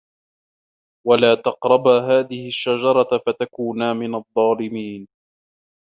وَلَا تَقْرَبَا هَٰذِهِ الشَّجَرَةَ فَتَكُونَا مِنَ الظَّالِمِينَ